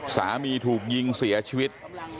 สามีถูกยิงเสียชีวิต